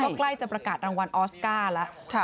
ก็ใกล้จะประกาศรางวัลออสการ์แล้ว